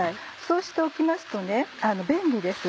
そうしておきますと便利です。